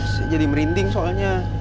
saya jadi merinding soalnya